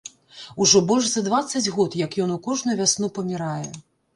Ужо больш за дваццаць год, як ён у кожную вясну памірае.